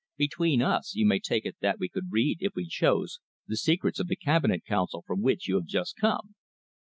Between us you may take it that we could read, if we chose, the secrets of the Cabinet Council from which you have just come."